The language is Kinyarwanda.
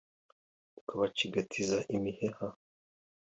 ukabacigatiza imiheha